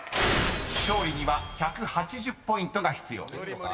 ［勝利には１８０ポイントが必要です］